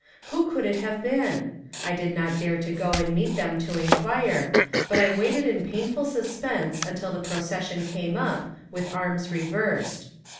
Who could it have been? I did not dare to go and meet them to inquire, but I waited in painful suspense until the procession came up, with arms reversed.